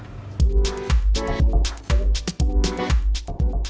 oke berarti nanti abis ini kesibukannya kita masih bisa lihat ya